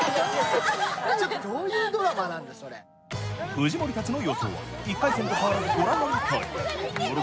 藤森たちの予想は１回戦と変わらずご覧のとおり。